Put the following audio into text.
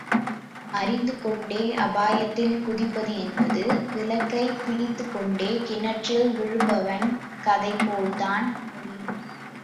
அறிந்து கொண்டே அபாயத்தில் குதிப்பது என்பது விளக்கைப் பிடித்துக்கொண்டே கிணற்றில் விழுபவன் கதை போல்தான் முடியும்.